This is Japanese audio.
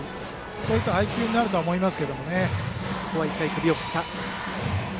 そういった配球になると思います。